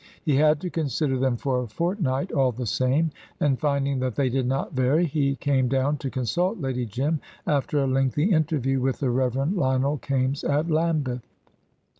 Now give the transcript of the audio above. He had to consider them for a fortnight, all the same, and finding that they did not vary, he came down to consult Lady Jim, after a lengthy interview with the Rev. Lionel Kaimes at Lambeth.